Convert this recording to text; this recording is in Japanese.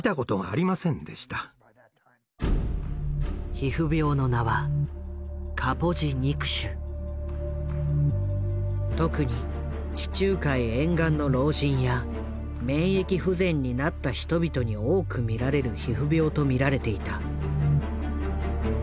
皮膚病の名は特に地中海沿岸の老人や免疫不全になった人々に多く見られる皮膚病と見られていた。